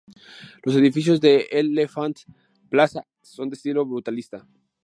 Los edificios de L'Enfant Plaza son de estilo brutalista.